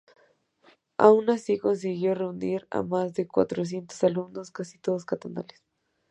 Aun así consiguió reunir a más de cuatrocientos alumnos, casi todos catalanes.